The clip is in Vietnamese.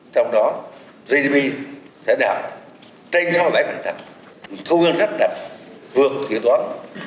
trong đó gdp sẽ đạt trên hai mươi bảy thông ương rất đạt vượt kỷ toán ba năm